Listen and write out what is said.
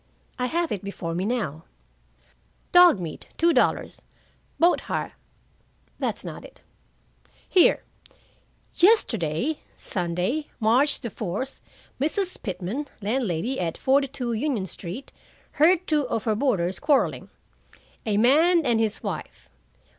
I have it before me now: "'Dog meat, two dollars, boat hire' that's not it. Here. 'Yesterday, Sunday, March the 4th, Mrs. Pitman, landlady at 42 Union Street, heard two of her boarders quarreling, a man and his wife.